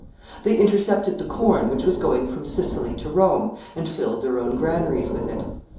They intercepted the corn which was going from Sicily to Rome, and filled their own granaries with it.